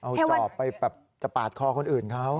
เอาจอบไปแบบจะปาดคอคนอื่นเขา